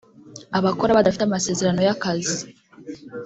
abakora badafite amasezerano y’akazi